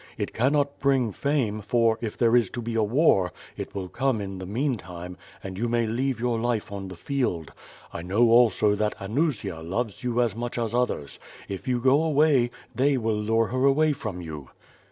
It cannot bring fame, for, if there is to be war, it will come in the meantime, and you may leave your life on the field. I know also that Anusia loves you as much as others — if you go away, they will lure her away from you."